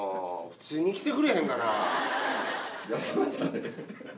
普通に来てくれへんかな。